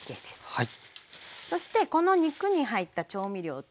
はい。